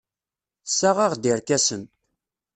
Tessaɣ-aɣ-d irkasen.